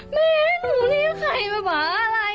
แม่ให้หนูเรียกอันน้วปะป๊าอะไรอะ